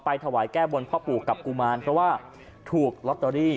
ถวายแก้บนพ่อปู่กับกุมารเพราะว่าถูกลอตเตอรี่